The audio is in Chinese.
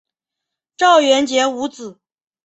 赵元杰无子。